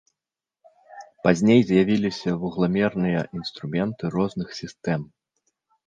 Пазней з'явіліся вугламерныя інструменты розных сістэм.